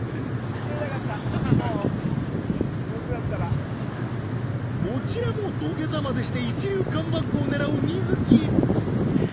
もうどうせだったらこちらも土下座までして一流カムバックを狙う観月